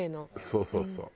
そうそうそう。